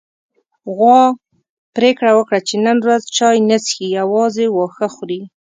غوا پرېکړه وکړه چې نن ورځ چای نه څښي، يوازې واښه خوري.